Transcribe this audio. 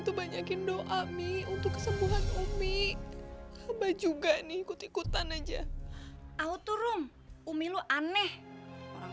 tuh banyakin doa mi untuk kesembuhan umi juga nih ikut ikutan aja auto room umi lu aneh orang